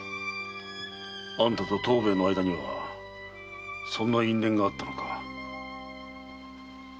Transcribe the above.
あんたと藤兵衛の間にはそんな因縁があったのか。